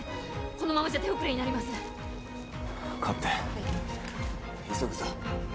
「このままじゃ手遅れになります」「代わって」「はい」「急ぐぞ」